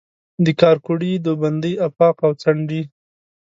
د کارکوړي، دوبندۍ آفاق او څنډي